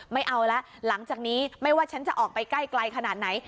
ไม่เอาแล้วหลังจากนี้ไม่ว่าฉันจะออกไปใกล้ไกลขนาดไหน